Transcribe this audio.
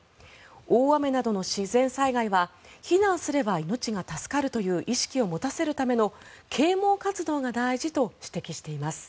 大雨などの自然災害は避難すれば命が助かるという意識を持たせるための啓もう活動が大事と指摘しています。